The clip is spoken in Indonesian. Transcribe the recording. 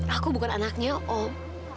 aku bukan anaknya om